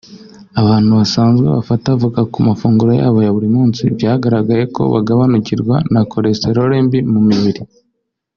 Abantu basanzwe bafata Avoka ku mafunguro yabo ya buri munsi byagaragaye ko bagabanukirwa na cholesterole mbi mu mubiri